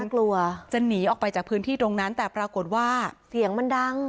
กลัวจะหนีออกไปจากพื้นที่ตรงนั้นแต่ปรากฏว่าเสียงมันดัง